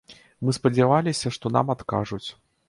Мы спадзяваліся, што нам адкажуць.